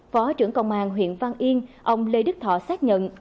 phó trưởng công an huyện văn yên ông lê đức thọ xác nhận